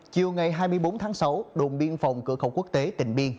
chiều ngày hai mươi bốn tháng sáu đồn biên phòng cửa khẩu quốc tế tịnh biên